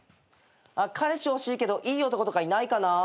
彼氏欲しいけどいい男とかいないかな。